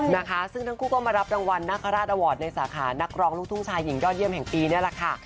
นะคะซึ่งทั้งคู่ก็มารับรางวัลนคราชอวอร์ดในสาขานักร้องลูกทุ่งชายหญิงยอดเยี่ยมแห่งปีนี่แหละค่ะ